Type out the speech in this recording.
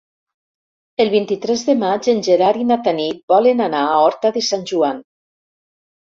El vint-i-tres de maig en Gerard i na Tanit volen anar a Horta de Sant Joan.